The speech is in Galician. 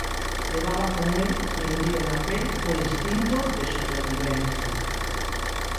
Levaba con el, prendido na pel, o instinto de supervivencia.